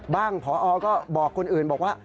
บ้างพอก็บอกคนอื่นบอกว่า